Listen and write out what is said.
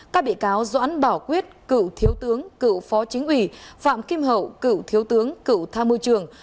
các bị cáo doãn bảo quyết cựu thiếu tướng cựu phó chính ủy phạm kim hậu cựu thiếu tướng cựu tham mưu trường